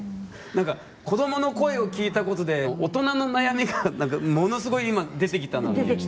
なんか子どもの声を聞いたことで大人の悩みが、なんかものすごい今、出てきたなと。